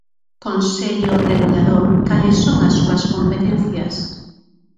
Consello Regulador, ¿cales son as súas competencias?